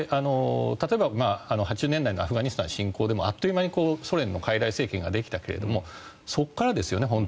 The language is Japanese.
例えば、８０年代のアフガニスタン侵攻でもあっという間にソ連のかいらい政権ができたけどもそこからですよね